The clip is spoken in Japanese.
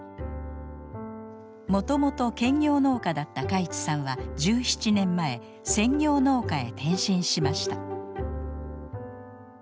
もともと兼業農家だった海地さんは１７年前専業農家へ転身しました。